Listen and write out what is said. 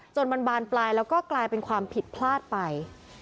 จนมันบานปลายแล้วก็กลายเป็นความผิดพลาดไป